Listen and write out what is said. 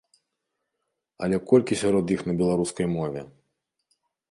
Але колькі сярод іх на беларускай мове?